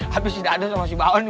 habis sudah ada sama si baon ya